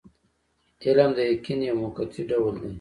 علم د یقین یو موقتي ډول دی.